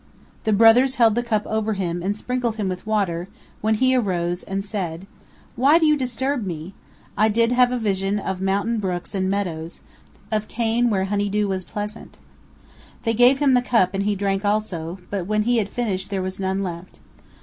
The brothers held the cup over him and sprinkled him with water, when he arose and said: "Why do you disturb me? I did have a vision of mountain brooks and meadows, of cane where honey dew was plenty." They gave him the cup and he drank also; but when he had finished there was none left.